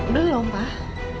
udah loh pak